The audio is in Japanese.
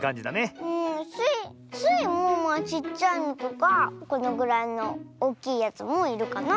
スイもちっちゃいのとかこのぐらいのおっきいやつもいるかな。